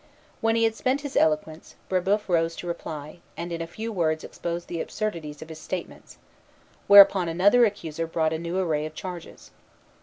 When he had spent his eloquence, Brébeuf rose to reply, and in a few words exposed the absurdities of his statements; whereupon another accuser brought a new array of charges.